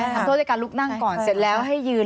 ทำโทษด้วยการลุกนั่งก่อนเสร็จแล้วให้ยืน